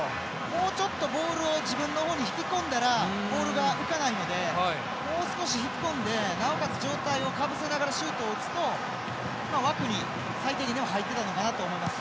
もうちょっとボールを自分の方に引き込んだらボールが浮かないのでもう少し引き込んでなおかつ状態をかぶせながらシュートを打つと枠に最低限でも入ってたのかなと思います。